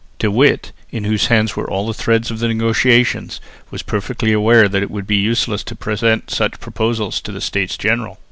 De Witt, in whose hands were all the threads of the negotiations, was perfectly aware that it would be useless to present such proposals to the States General.